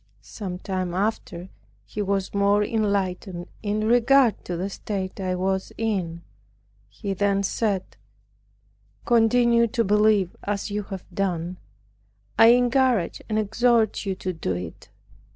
Some time after he was more enlightened in regard to the state I was in. He then said, "continue to believe as you have done; I encourage and exhort you to do it."